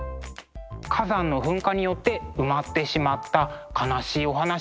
火山の噴火によって埋まってしまった悲しいお話なんですけど。